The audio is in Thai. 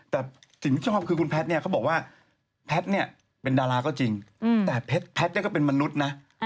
แต่สิ่งที่ชอบคือคุณแพทย์เนี่ยเขาบอกว่าแพทย์เนี่ยเป็นดาราก็จริงแต่แพทย์เนี่ยก็เป็นมนุษย์นะ